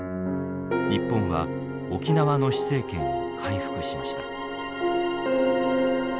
日本は沖縄の施政権を回復しました。